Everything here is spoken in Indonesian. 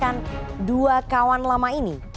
dengan dua kawan lama ini